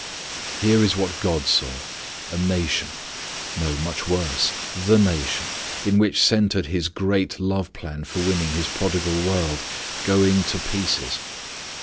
Here is what God saw: a nation no, much worse the nation, in which centred His great love plan for winning His prodigal world, going to pieces.